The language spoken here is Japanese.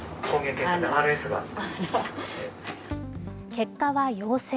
結果は陽性。